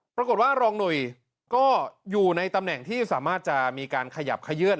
รองหนุ่ยก็อยู่ในตำแหน่งที่สามารถจะมีการขยับขยื่น